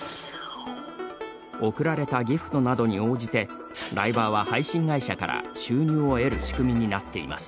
送られたギフトなどに応じてライバーは配信会社から収入を得る仕組みになっています。